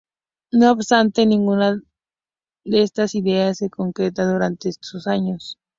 No obstante, ninguna de estas ideas se concretaría durante esos años.